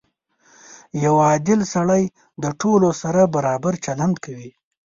• یو عادل سړی د ټولو سره برابر چلند کوي.